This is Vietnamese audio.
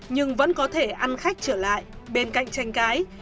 nhưng vẫn có thể ăn khách trở lại